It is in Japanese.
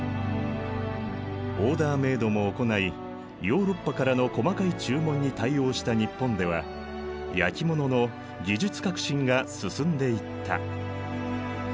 オーダーメードも行いヨーロッパからの細かい注文に対応した日本では焼き物の技術革新が進んでいった。